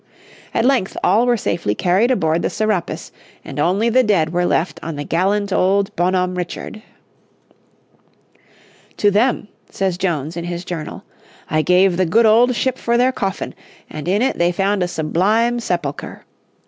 At length all were safely carried aboard the Serapis, and only the dead were left on the gallant old Bonhomme Richard. "To them," says Jones, in his journal, "I gave the good old ship for their coffin, and in it they found a sublime sepulchre.